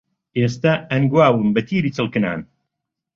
ئێستە ئەنگواوم بەتیری چڵکنان